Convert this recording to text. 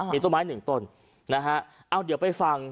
มีต้นไม้หนึ่งต้นนะฮะเอาเดี๋ยวไปฟัง